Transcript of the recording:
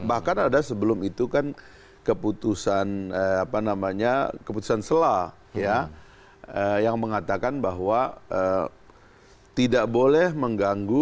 bahkan ada sebelum itu kan keputusan selah yang mengatakan bahwa tidak boleh mengganggu